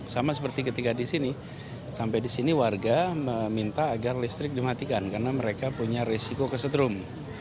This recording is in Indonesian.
sama seperti ketika disini sampai disini warga meminta agar listrik dimatikan karena mereka punya risiko kesedrum